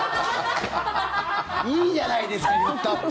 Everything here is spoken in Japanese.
いいじゃないですか言ったって。